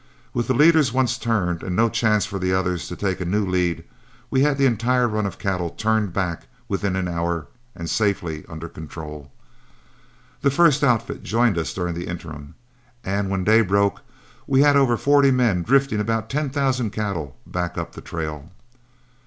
With the leaders once turned and no chance for the others to take a new lead, we had the entire run of cattle turned back within an hour and safely under control. The first outfit joined us during the interim, and when day broke we had over forty men drifting about ten thousand cattle back up the trail.